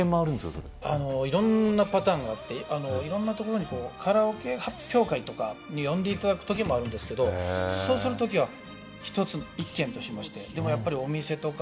それ色んなパターンがあって色んな所にカラオケ発表会とかに呼んで頂く時もあるんですけどそうする時は１つ１軒としましてやっぱりお店とか